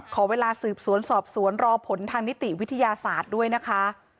ขอเวลาสืบสวนสอบสวนรอผลทางนิติวิทยาศาสตร์ด้วยนะคะ